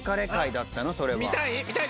見たい？